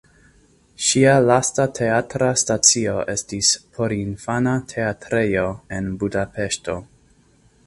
Ŝia lasta teatra stacio estis porinfana teatrejo en Budapeŝto.